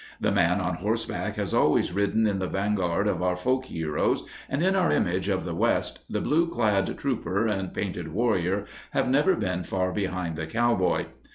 The man on horseback has always ridden in the vanguard of our folk heroes, and in our image of the West the blueclad trooper and painted warrior have never been far behind the cowboy.